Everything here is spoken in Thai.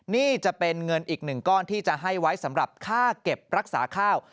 นี่จะเป็นเงินอีกหนึ่งก้อนที่จะให้ไว้สำหรับค่าเก็บรักษาข้าว